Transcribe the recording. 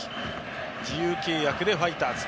自由契約でファイターズへ。